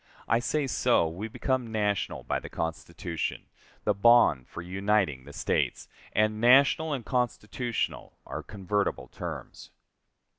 I say so: we became national by the Constitution, the bond for uniting the States, and national and constitutional are convertible terms.